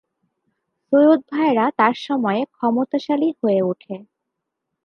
সৈয়দ ভাইরা তার সময়ে ক্ষমতাশালী হয়ে উঠে।